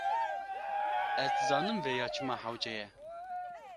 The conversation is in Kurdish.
Ez dizanim vêya çima hewce ye.